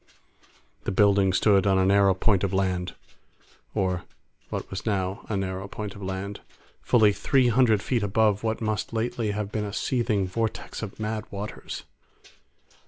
The building stood on a narrow point of land—or what was now a narrow point of land—fully three hundred feet above what must lately have been a seething vortex of mad waters.